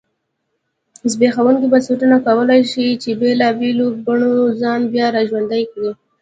زبېښونکي بنسټونه کولای شي چې بېلابېلو بڼو ځان بیا را ژوندی کړی.